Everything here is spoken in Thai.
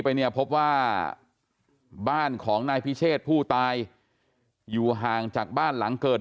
ไปเนี่ยพบว่าบ้านของนายพิเชษผู้ตายอยู่ห่างจากบ้านหลังเกิด